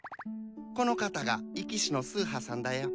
この方が息師のスーハさんだよ。